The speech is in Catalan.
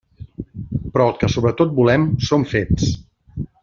Però el que sobretot volem són fets.